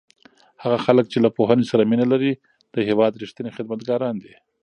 هغه خلک چې له پوهنې سره مینه لري د هېواد رښتیني خدمتګاران دي.